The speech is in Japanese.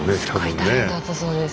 すごい大変だったそうです。